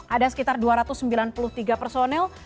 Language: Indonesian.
ada sekitar dua ratus sembilan puluh tiga personel